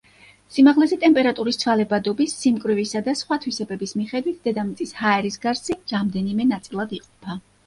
სიმაღლეზე ტემპერატურის ცვალებადობის, სიმკვრივისა და სხვა თვისებების მიხედვით დედამიწის ჰაერის გარსი რამდენიმე ნაწილად იყოფა.